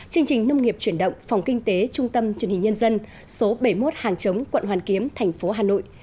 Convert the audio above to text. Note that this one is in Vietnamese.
chương trình nông nghiệp chuyển động phòng kinh tế trung tâm truyền hình nhân dân số bảy mươi một hàng chống quận hoàn kiếm thành phố hà nội